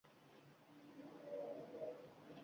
Ha-da, o`zimning ham shirinlik egim kelyapti